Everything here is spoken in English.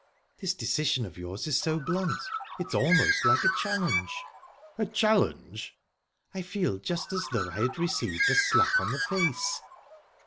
"This decision of yours is so blunt. It's almost like a challenge." "A challenge?" "I feel just as though I had received a slap on the face."